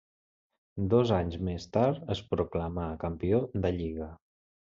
Dos anys més tard es proclamà campió de lliga.